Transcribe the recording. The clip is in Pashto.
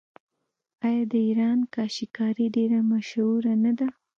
آیا د ایران کاشي کاري ډیره مشهوره نه ده؟